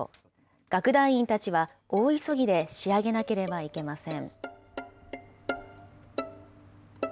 楽団員たちは大急ぎで仕上げなければいけません。